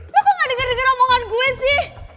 lo kok gak denger denger omongan gue sih